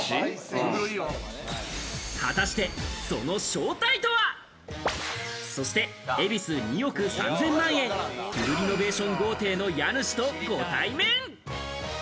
果たして、その正体とは？そして、恵比寿２億３０００万円、フルリノベーション豪邸の家主とご対面。